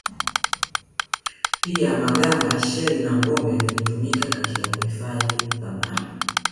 Pia magamba shells na ngombe vilitumika katika kuhifadhi thamani